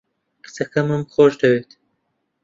کچەکەمم خۆش دەوێت.